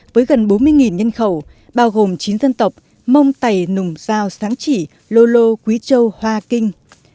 với gần bốn mươi nhân khẩu bao gồm chín dân tộc mông tày nùng giao sáng chỉ lô lô quý châu hoa kinh